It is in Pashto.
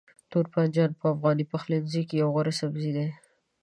توربانجان په افغاني پخلنځي کې یو غوره سبزی دی.